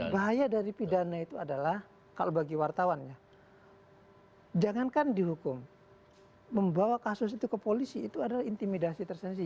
bahaya dari pidana itu adalah kalau bagi wartawan ya jangankan dihukum membawa kasus itu ke polisi itu adalah intimidasi tersendisi